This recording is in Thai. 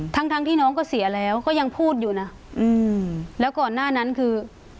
ทั้งทั้งที่น้องก็เสียแล้วก็ยังพูดอยู่นะอืมแล้วก่อนหน้านั้นคือ